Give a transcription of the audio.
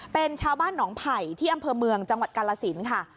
เป็นชาวบ้านหนองไผ่ที่อำเภอเมืองจังหวัดกาลสินค่ะ